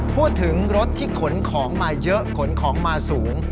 พูดถึงรถที่ขนของมาเยอะขนของมาสูง